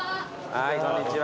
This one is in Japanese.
はいこんにちは。